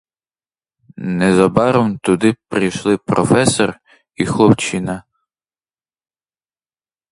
Незабаром туди прийшли професор і хлопчина.